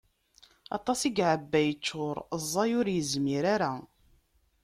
Aṭas i yeɛebba yeččur, ẓẓay ur yezmir ara.